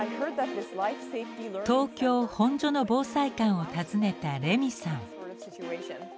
東京・本所の防災館を訪ねたレミーさん。